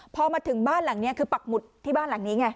พอมาถึงบ้านหลังนี้คือปักหมุดที่บ้านหลังนี้ไง